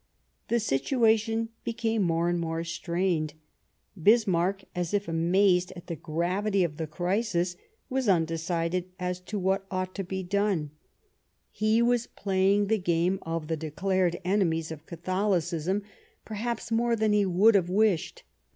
The situation became more and more strained. Bis marck, as if amazed at the gravity of the crisis, was undecided as to what ought to be done. He 205 Bismarck was playing the game of the declared enemies of Catholicism perhaps more than he would have wished.